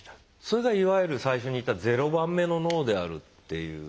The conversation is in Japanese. それがいわゆる最初に言った「０番目の脳」であるっていう。